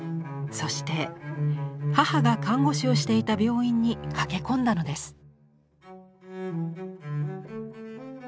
そして母が看護師をしていた病院に駆け込んだのです。